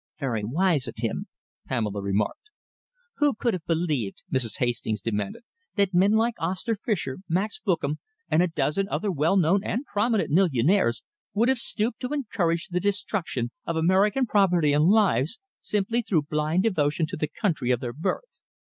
"Very wise of him," Pamela murmured. "Who could have believed," Mrs. Hastings demanded, "that men like Oscar Fischer, Max Bookam and a dozen other well known and prominent millionaires, would have stooped to encourage the destruction of American property and lives, simply through blind devotion to the country of their birth.